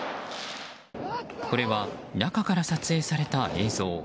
これは中から撮影された映像。